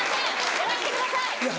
やらせてください！